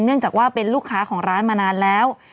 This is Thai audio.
เนื่องจากว่าเป็นลูกค้าของร้านมานานแล้ว